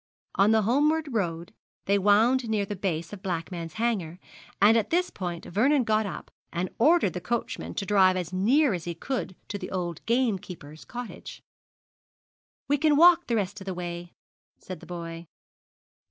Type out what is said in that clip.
On the homeward road they wound near the base of Blackman's Hanger, and at this point Vernon got up and ordered the coachman to drive as near as he could to the old gamekeeper's cottage. 'We can walk the rest of the way,' said the boy.